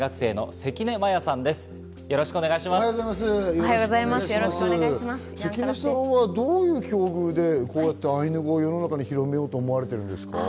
関根さんはどういう境遇でこうやってアイヌ語を世の中に広めようと思われているんですか？